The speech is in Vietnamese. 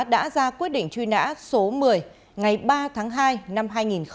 đã ra quyết định truy nã số một mươi ngày ba tháng hai năm hai nghìn một mươi